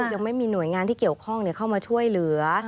ยังไม่มีหน่วยงานที่เกี่ยวข้องเข้ามาช่วยเหลือ